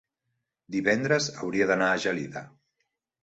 divendres hauria d'anar a Gelida.